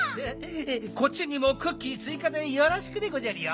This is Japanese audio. こっちにもクッキーついかでよろしくでごじゃるよ！